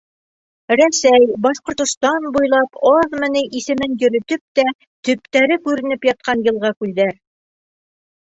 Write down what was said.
Рәсәй, Башҡортостан буйлап аҙмы ни исемен йөрөтөп тә төптәре күренеп ятҡан йылға-күлдәр...